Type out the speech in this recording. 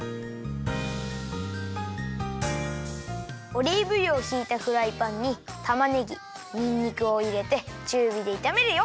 オリーブ油をひいたフライパンにたまねぎにんにくをいれてちゅうびでいためるよ。